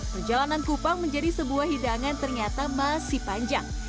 perjalanan kupang menjadi sebuah hidangan ternyata masih panjang